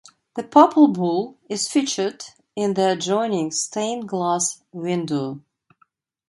The Papal bull is featured in the adjoining stained-glass window.